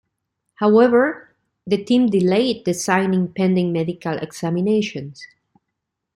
However, the team delayed the signing pending medical examinations.